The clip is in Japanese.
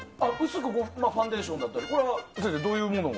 薄くファンデーションだったり？